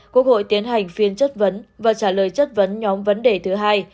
quốc hội tiến hành phiên chất vấn và trả lời chất vấn nhóm vấn đề thứ hai